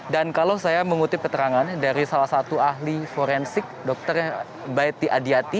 dan kalau saya mengutip keterangan dari salah satu ahli forensik dr baiti adiati